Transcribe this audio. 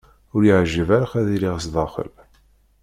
Ur y-iεǧib ara ad iliɣ sdaxel.